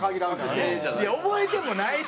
いや覚えてもないし